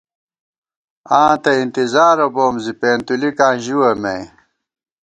آں تہ انتظارہ بوم زی، پېنتُولِکاں ژِوَہ مے